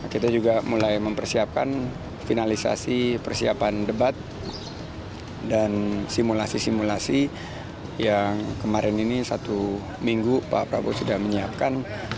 kita juga mulai mempersiapkan finalisasi persiapan debat dan simulasi simulasi yang kemarin ini satu minggu pak prabowo sudah menyiapkan